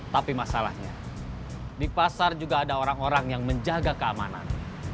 tapi masalahnya di pasar juga ada orang orang yang menjaga keamanan